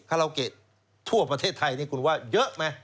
ราเกะทั่วประเทศไทยนี่คุณว่าเยอะไหม